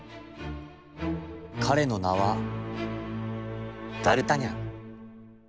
かれのなはダルタニャン。